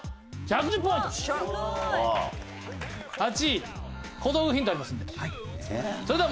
８位小道具ヒントありますんで。